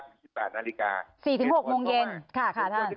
๔ถึง๖โมงเย็นค่ะค่ะท่าน